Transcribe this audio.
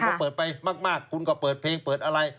พอเปิดไปมากคุณก็เปิดเพลงเปิดอะไร